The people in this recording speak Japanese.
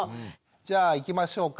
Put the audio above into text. じゃあいきましょうか。